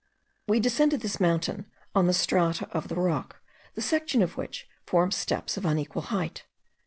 We descended this mountain on the strata of the rock, the section of which forms steps of unequal height.